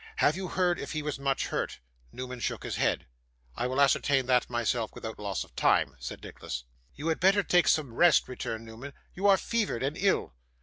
Have you heard if he was much hurt?' Newman shook his head. 'I will ascertain that myself without loss of time,' said Nicholas. 'You had better take some rest,' returned Newman. 'You are fevered and ill.